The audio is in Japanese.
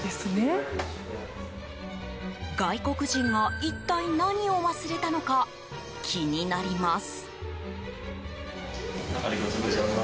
外国人が一体、何を忘れたのか気になります。